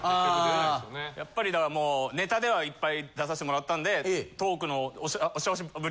やっぱりだからもうネタではいっぱい出させてもらったんでトークの。